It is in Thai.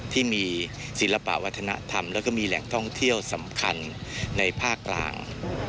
ที่มีศิลปะวัฒนธรรมแล้วก็มีแหล่งท่องเที่ยวสำคัญในภาคกลาง